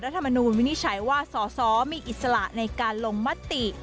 ป่ารธรรมนวลวินิใชตว่าสะมีอิสละในการลงมัตติ